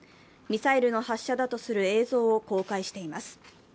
ミサイルの発射だとする映像を公開しています。